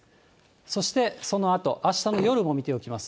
そしてそのあと、あしたの夜も見ておきます。